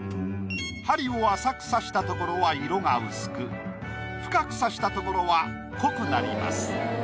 針を浅く刺した所は色が薄く深く刺した所は濃くなります。